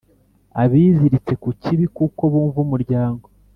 abiziritse ku kibi kuko bumva umuryango